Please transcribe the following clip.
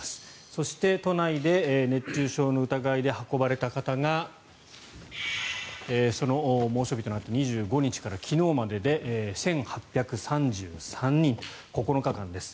そして、都内で熱中症の疑いで運ばれた方が猛暑日となった２５日から昨日までで１８３３人９日間です。